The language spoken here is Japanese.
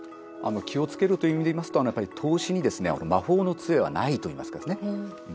気を付けるという意味でいいますと、やはり投資に魔法のつえはないといいますかね。